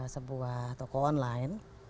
sebuah toko online